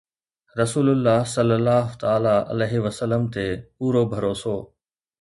رسول الله صَلَّى اللهُ تَعَالٰى عَلَيْهِ وَسَلَّمَ تي پورو ڀروسو